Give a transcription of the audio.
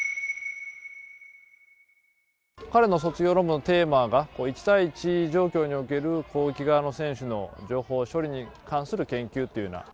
彼の卒業論文、テーマが、１対１状況における攻撃側の選手の情報処理に関する研究っていうような。